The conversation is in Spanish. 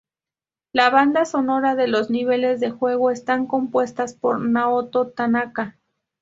La banda sonora de los niveles del juego, están compuestas por Naoto Tanaka.